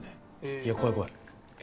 いや怖い怖いえ